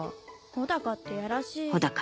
帆高っていやらしい。